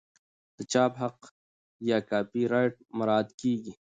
د چاپ حق یا کاپي رایټ مراعات کیږي.